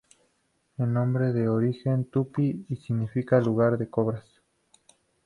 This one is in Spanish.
El nombre es de origen Tupí y significa "Lugar de Cobras".